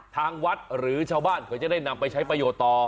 ทางวัดหรือชาวบ้านเขาจะได้นำไปใช้ประโยชน์ต่อ